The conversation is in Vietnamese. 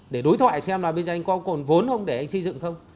để đối thoại xem là bây giờ anh có còn vốn không để anh xây dựng không